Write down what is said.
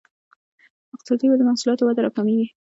اقتصادي وده محصولات وده راکمېږي.